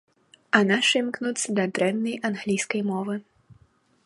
А нашы імкнуцца да дрэннай англійскай мовы.